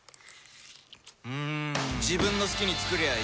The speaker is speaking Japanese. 自分の好きに作りゃいい